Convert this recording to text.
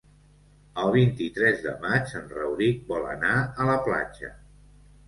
El vint-i-tres de maig en Rauric vol anar a la platja.